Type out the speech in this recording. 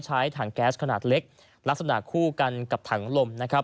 ใช้ถังแก๊สขนาดเล็กลักษณะคู่กันกับถังลมนะครับ